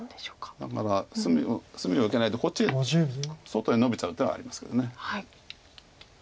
だから隅を受けないでこっち外へノビちゃう手はありますけど。